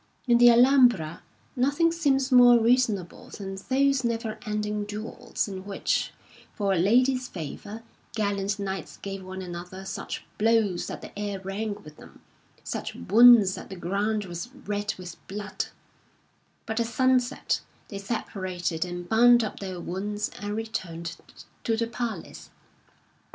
In the Alhambra nothing seems more reason able than those never ending duels in which, for a lady's favour, gallant knights gave one another such blows that the air rang with them, such wounds that the ground was red with blood ; but at sunset they separated and bound up their wounds and returned to the palace.